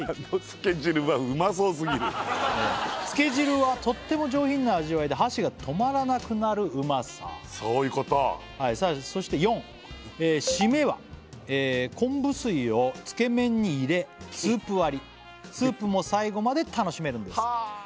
あのつけ汁はうまそうすぎるつけ汁はとっても上品な味わいで箸が止まらなくなるうまさそういうことはいさあそして４締めは昆布水をつけめんに入れスープ割りスープも最後まで楽しめるんですはあ！